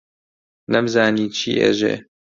نەمزانی چی ئێژێ،